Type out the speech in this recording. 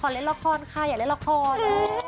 เล่นละครค่ะอยากเล่นละคร